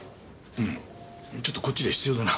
うんちょっとこっちで必要でな。